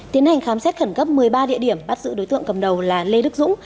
tiến hành khám xét khẩn cấp một mươi ba địa điểm bắt giữ đối tượng cầm đầu là lê đức dũng